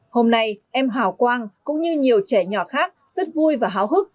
hôm nay em hảo quang cũng như nhiều trẻ nhỏ khác rất vui và háo hức